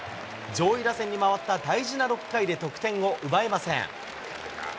上位打線に回った大事な６回で得点を奪えません。